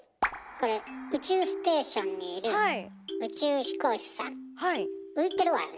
これ宇宙ステーションにいる宇宙飛行士さん。